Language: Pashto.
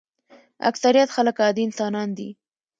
اکثریت خلک عادي انسانان دي.